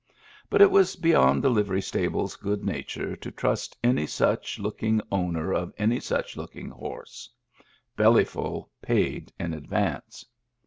But it was beyond the livery stable's good nature to trust any such looking owner of any such looking horse ; Belly ful paid in advance.